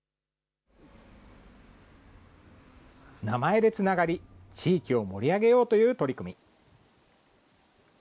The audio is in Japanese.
名前でつながり、地域を盛り上げようという取り組み。